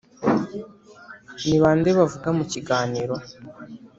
ni bande bavuga mu kiganiro